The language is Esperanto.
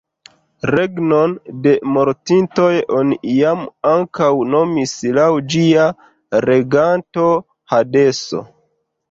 Regnon de mortintoj oni iam ankaŭ nomis laŭ ĝia reganto "hadeso".